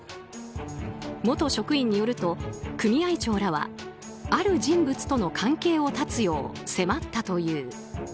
元職員によると組合長らはある人物との関係を絶つよう迫ったという。